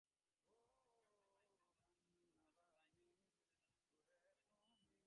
ওরা সবাই অবাধ্যতা করছে, তাই জলদি করে তাদের সাথে পরিচয় করিয়ে দিচ্ছি।